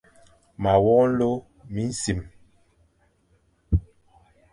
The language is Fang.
Ma wok nlô minsim.